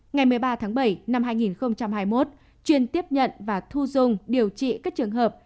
ngày một mươi ba tháng bảy năm hai nghìn hai mươi một chuyên tiếp nhận và thu dung điều trị các trường hợp